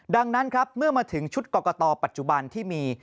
ดังนั้นครับเมื่อมาถึงชุดกรกตปัจจุบันที่มี